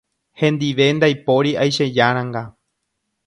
Hendive ndaipóri aichejáranga